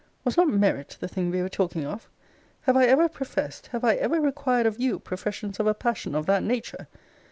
Was not merit the thing we were talking of? Have I ever professed, have I ever required of you professions of a passion of that nature?